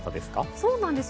そうなんですよ。